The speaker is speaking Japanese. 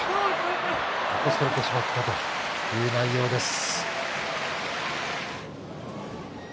残されてしまったという内容です。